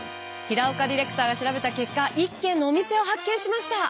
平岡ディレクターが調べた結果一軒のお店を発見しました。